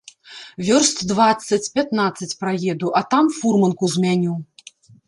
Вёрст дваццаць, пятнаццаць праеду, а там фурманку змяню.